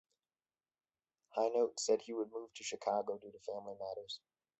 Hinote said he would move to Chicago due to family matters.